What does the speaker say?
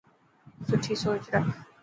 سٺي سوچ رک.